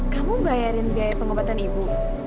kamu bayarin biaya pengobatan ibu